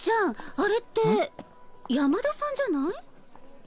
あれって山田さんじゃない？